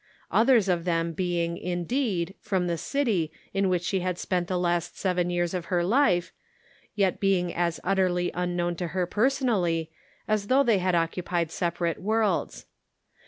Others of them being, indeed, from the city in which she had spent the last seven years of her life, yet being as utterly unknown to her, personally, as though they had occupied sepa rate worlds.